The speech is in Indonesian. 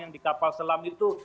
yang di kapal selam itu